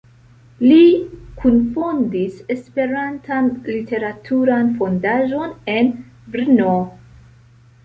Li kunfondis Esperantan Literaturan Fondaĵon en Brno.